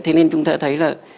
thế nên chúng ta thấy là